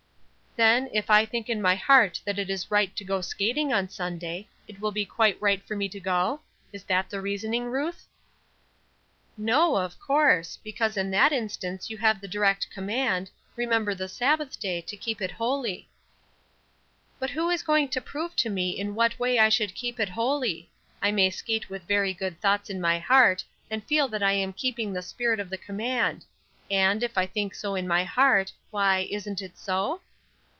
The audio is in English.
"Then, if I think in my heart that it is right to go skating on Sunday, it will be quite right for me to go? Is that the reasoning, Ruth?" "No, of course; because in that instance you have the direct command, 'Remember the Sabbath day, to keep it holy.'" "But who is going to prove to me in what way I should keep it holy? I may skate with very good thoughts in my heart, and feel that I am keeping the spirit of the command; and, if I think so in my heart, why, isn't it so?"